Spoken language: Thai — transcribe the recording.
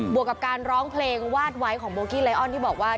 วกกับการร้องเพลงวาดไว้ของโบกี้ไลออนที่บอกว่า